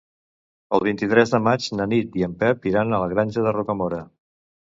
El vint-i-tres de maig na Nit i en Pep iran a la Granja de Rocamora.